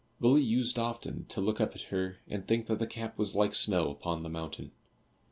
Willie used often to look up at her and think that the cap was like snow upon the mountain.